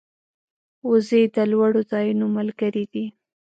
وزې د لوړو ځایونو ملګرې دي